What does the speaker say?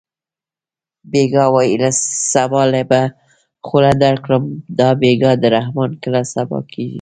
بېګا وایې سبا له به خوله درکړم دا بېګا د رحمان کله سبا کېږي